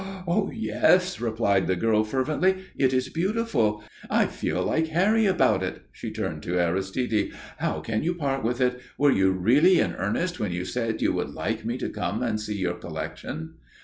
"Oh, yes!" replied the girl, fervently. "It is beautiful. I feel like Harry about it." She turned to Aristide. "How can you part with it? Were you really in earnest when you said you would like me to come and see your collection?"